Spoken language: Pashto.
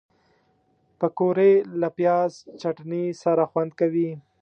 پکورې له پیاز چټني سره خوند کوي